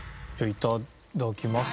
いただきます。